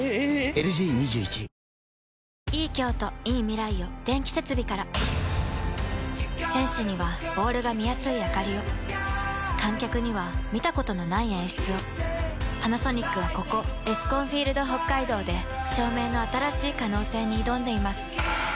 ⁉ＬＧ２１選手にはボールが見やすいあかりを観客には見たことのない演出をパナソニックはここエスコンフィールドＨＯＫＫＡＩＤＯで照明の新しい可能性に挑んでいます